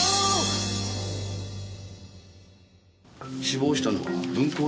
死亡したのは文光